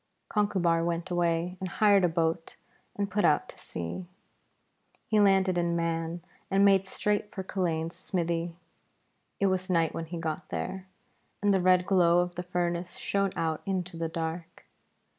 Conchubar went away, and hired a boat and put out to sea. He landed in Mann and made straight for Culain's smithy. It was night when he got there, and the red glow of the furnace shone out into the dark.